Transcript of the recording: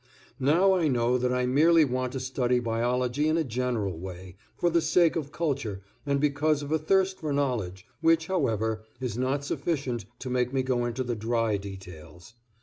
Now I know that I merely want to study biology in a general way for the sake of culture and because of a thirst for knowledge, which, however, is not sufficient to make me go into the dry details.